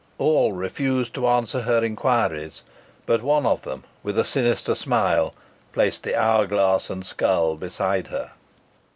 All refused to answer her inquiries, but one of them, with a sinister smile, placed the hourglass and skull beside her.